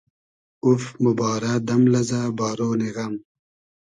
اوف! موبارۂ دئم لئزۂ بارۉنی غئم